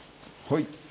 はい。